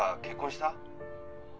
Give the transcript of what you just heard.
結婚した？